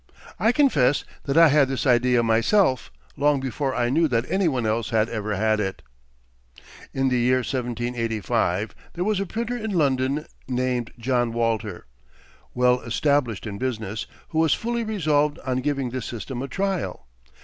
I confess that I had this idea myself, long before I knew that any one else had ever had it. In the year 1785 there was a printer in London named John Walter, well established in business, who was fully resolved on giving this system a trial.